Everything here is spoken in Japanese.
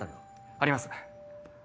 あります。